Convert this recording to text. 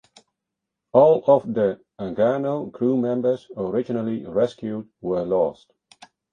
All of the "Agano" crewmembers originally rescued were lost.